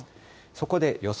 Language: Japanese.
そこで予想